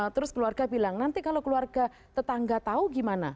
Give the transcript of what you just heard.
terus keluarga bilang nanti kalau keluarga tetangga tahu gimana